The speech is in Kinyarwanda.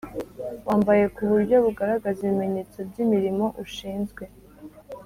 wambaye ku buryo bugaragaza ibimenyetso by'imirimo ushinzwe.